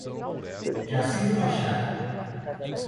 Jacinto Machado